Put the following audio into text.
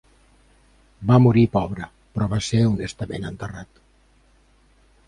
Va morir pobre, però va ser honestament enterrat.